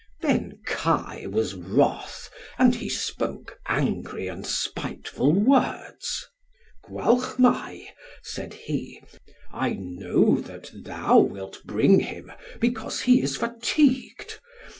Then Kai was wrath, and he spoke angry and spiteful words. "Gwalchmai," said he, "I know that thou wilt bring him because he is fatigued.